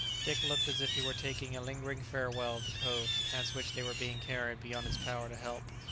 Dick looked as if he were taking a lingering farewell of the cove past which they were being carried beyond his power to help.